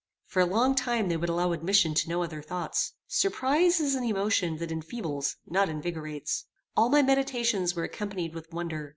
For a long time they would allow admission to no other thoughts. Surprize is an emotion that enfeebles, not invigorates. All my meditations were accompanied with wonder.